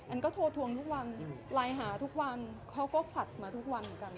แอนก็โทรทวงทุกวันไล่หาทุกวันเค้าก็ผลัดมาทุกวันกัน